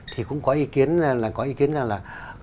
thì cũng có ý kiến là